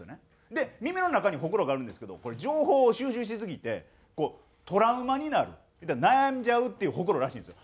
で耳の中にホクロがあるんですけどこれ情報を収集しすぎてトラウマになる悩んじゃうっていうホクロらしいんですよ。